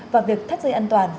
và việc thắt dây an toàn